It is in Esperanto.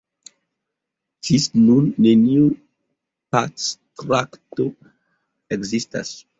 Ĝis nun neniu pactraktato ekzistas.